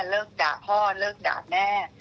เลิกด่าพ่อเลิกด่าแม่